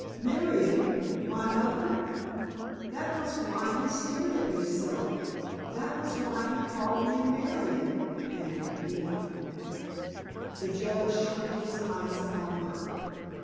"Marion—my mother! That was why he stared at me so! That was why he called me 'Marion'!" panted Nina. The Judge turned his eyes upon her.